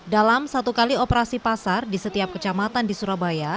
dalam satu kali operasi pasar di setiap kecamatan di surabaya